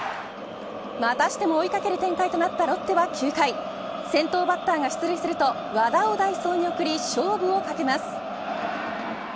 またしても追い掛ける展開となったロッテは９回先頭バッターが出塁すると和田を代走に送り勝負をかけます。